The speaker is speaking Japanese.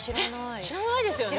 知らないですよね？